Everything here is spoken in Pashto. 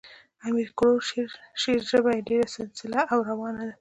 د امیر کروړ شعر ژبه ئي ډېره سلیسه او روانه ده.